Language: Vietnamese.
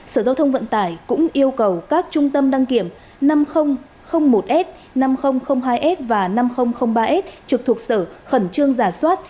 sở giao thông vận tải cũng yêu cầu các trung tâm đăng kiểm năm nghìn một s năm nghìn hai s và năm nghìn ba s trực thuộc sở khẩn trương giả soát